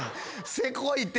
せこいって。